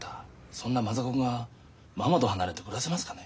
そんなマザコンがママと離れて暮らせますかね。